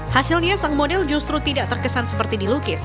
hasilnya sang model justru tidak terkesan seperti dilukis